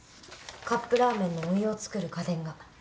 カップラーメンのお湯を作る家電が。